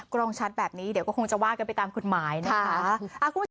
กล้องชัดแบบนี้เดี๋ยวก็คงจะว่ากันไปตามกฎหมายนะคะ